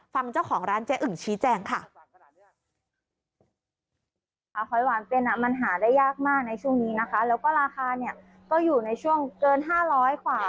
ฟังเจ้าของร้านเจ๊อึ่งชี้แจงค่ะ